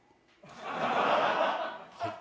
はい？